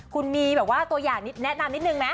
คุณมีแบบว่าตัวอย่างนิดแนะนำนิดนึงไหม